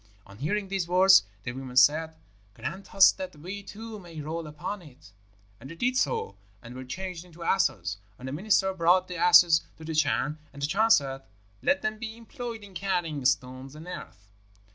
On hearing these words, the women said, 'Grant us that we too may roll upon it.' And they did so, and were changed into asses. And the minister brought the asses to the Chan, and the Chan said, 'Let them be employed in carrying stones and earth.'